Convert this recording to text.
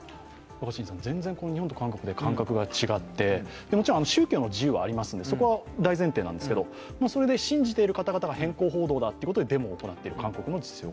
全然日本と韓国で感覚が違ってもちろん宗教の自由はありますので、それは大前提なんですが、それで信じている方々が偏向報道だということでデモを行っている韓国の状況。